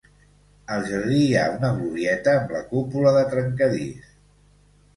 Al jardí hi ha una glorieta amb la cúpula de trencadís.